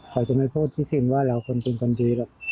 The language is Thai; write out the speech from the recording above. เขาจะไม่พูดที่เซ็นว่าเราคนเป็นคนดีหรอก